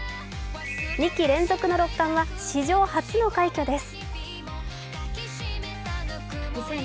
２期連続の６冠は史上初の快挙です。